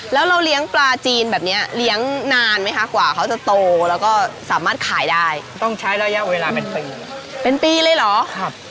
แล้วเลี้ยงปลาจีนเบ็บแบบนี้เลี้ยงนานไหมะกว่าเขาสามารถตัวแล้วก็สามารถขายได้ต้องใช้ระยะเวลาเป็นนี่เลยล่อค่ะ